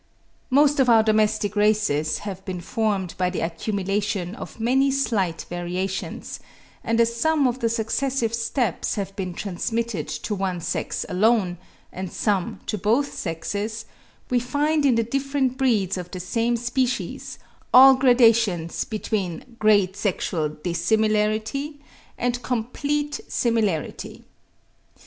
Most of our domestic races have been formed by the accumulation of many slight variations; and as some of the successive steps have been transmitted to one sex alone, and some to both sexes, we find in the different breeds of the same species all gradations between great sexual dissimilarity and complete similarity.